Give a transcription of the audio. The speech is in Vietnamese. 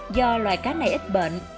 do loài cá này ít bệnh